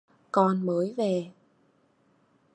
con mới về